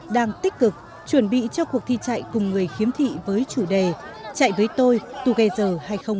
đang tích cực chuẩn bị cho cuộc thi chạy cùng người khiếm thị với chủ đề chạy với tôi tughezer hai nghìn một mươi chín